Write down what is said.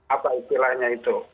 apa istilahnya itu